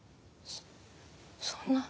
そそんな。